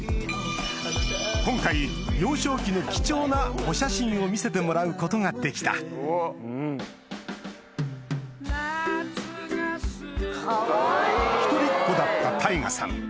今回幼少期の貴重なお写真を見せてもらうことができた１人っ子だった大我さん